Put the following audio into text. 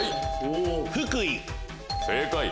福井。